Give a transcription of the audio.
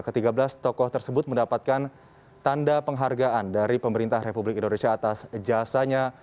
ketiga belas tokoh tersebut mendapatkan tanda penghargaan dari pemerintah republik indonesia atas jasanya